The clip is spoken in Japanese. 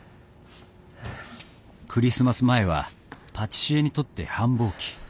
クリスマス前はパティシエにとって繁忙期。